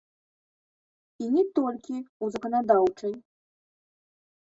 І не толькі ў заканадаўчай.